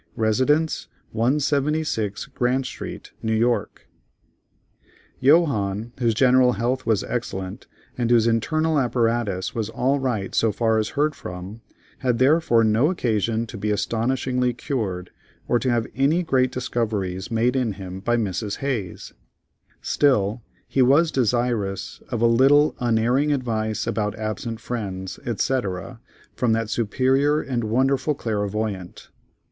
Residence, 176 Grand St. N. Y." Johannes, whose general health was excellent, and whose internal apparatus was all right so far as heard from, had therefore no occasion to be astonishingly cured, or to have any great discoveries made in him by Mrs. Hayes; still he was desirous of a little "unerring advice about absent friends," etc., from "that superior and wonderful clairvoyant."